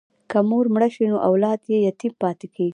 که مور مړه شي نو اولاد یې یتیم پاتې کېږي.